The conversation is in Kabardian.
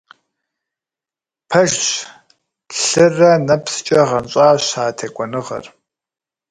Пэжщ, лъырэ нэпскӀэ гъэнщӀащ а текӀуэныгъэр.